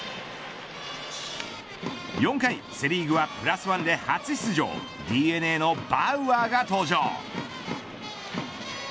４回、セ・リーグはプラスワンで初出場ＤｅＮＡのバウアーが登場。